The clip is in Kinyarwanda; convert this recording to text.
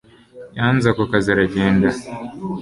yanze ako kazi aragenda